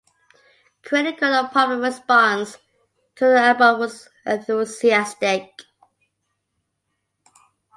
Critical and popular response to the album was enthusiastic.